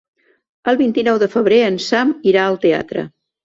El vint-i-nou de febrer en Sam irà al teatre.